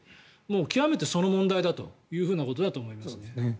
極めて、その問題だということだと思いますね。